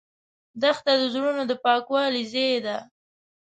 دښته د زړونو د پاکوالي ځای ده.